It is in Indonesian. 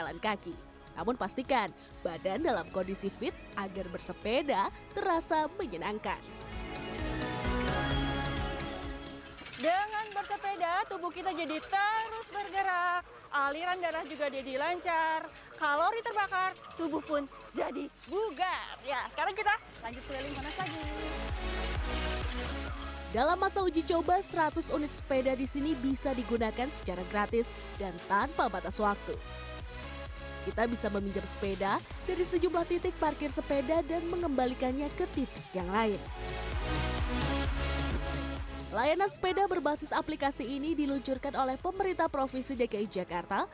layanan sepeda berbasis aplikasi ini diluncurkan oleh pemerintah provinsi dki jakarta